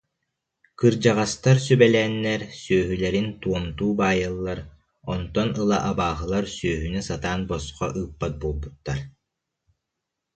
Кырдьаҕастар сүбэлээннэр, сүөһүлэрин туомтуу баайаллар, онтон ыла абааһылар сүөһүнү сатаан босхо ыыппат буолбуттар